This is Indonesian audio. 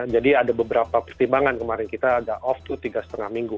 jadi ada beberapa pertimbangan kemarin kita agak off tuh tiga lima minggu